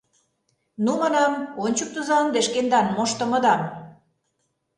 — Ну, манам, ончыктыза ынде шкендан моштымыдам!..